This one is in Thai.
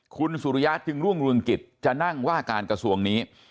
คุณสุริยะจึงรุ่งเรืองกิจจะนั่งว่าการกระทรวงนี้